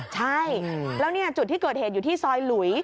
ใช่แล้วจุดที่เกิดเหตุอยู่ที่ซอยหลุย